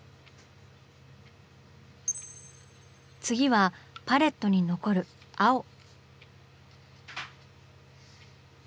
次はパレットに残る青。